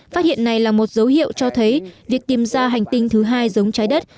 phát hiện này là một dấu hiệu cho thấy việc tìm ra hành tinh thứ hai giống trái đất